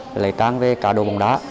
để lấy trang về cá độ bóng đá